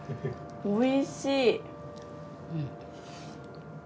おいしい。